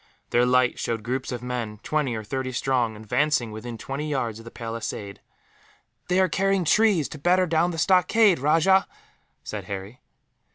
Their light showed groups of men, twenty or thirty strong, advancing within twenty yards of the palisade. "They are carrying trees, to batter down the stockade, Rajah!" said Harry.